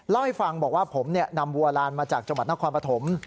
เล่าให้ฟังบอกว่าผมนำวัวลานมาจากจังหวัดนครปฐม